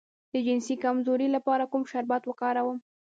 د جنسي کمزوری لپاره کوم شربت وکاروم؟